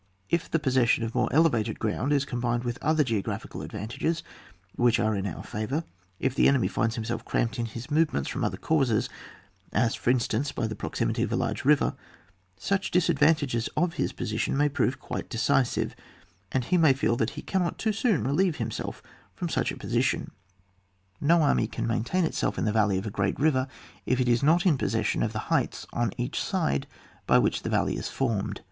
If the possession of more elevated ground is combined with other geo graphical advantages which are in our favour, if the enemy finds himself cramped in his movements fix>m other causes, as, for instance, by the proxi mity of a large river, such disadvan tages of his position may prove quite decisive, and he may feel that he can not too soon relieve himself from such a position. No army can maintain it 66 ON WAR. [book v. self in the valley of a great river if it is not in possession of the heights on each side by which the valley is formed.